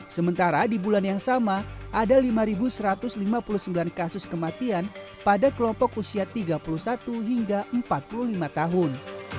sementara di bulan yang sama ada lima satu ratus lima puluh sembilan kasus kematian pada kelompok usia tiga puluh satu hingga empat puluh lima tahun